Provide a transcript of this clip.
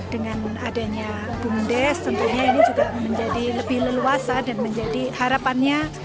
dengan adanya bumdes tentunya ini juga menjadi lebih leluasa dan menjadi harapannya